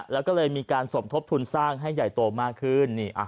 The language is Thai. แล้วก็เลยมีการสมทบทุนสร้างให้ใหญ่โตมากขึ้น